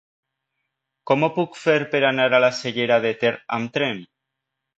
Com ho puc fer per anar a la Cellera de Ter amb tren?